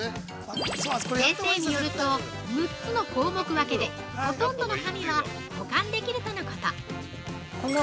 ◆先生によると、６つの項目分けでほとんどの紙は保管できるとのこと！